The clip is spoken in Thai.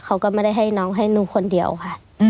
เขาก็ไม่ได้ให้น้องให้หนูคนเดียวค่ะ